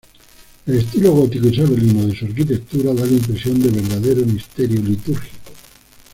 El estilo gótico isabelino de su arquitectura da la impresión de verdadero misterio litúrgico.